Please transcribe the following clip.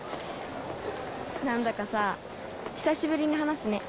何だかさ久しぶりに話すね。